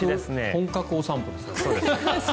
本格お散歩ですね。